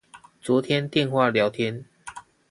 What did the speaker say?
昨天電話聊天